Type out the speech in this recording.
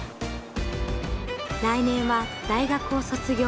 来年は大学を卒業。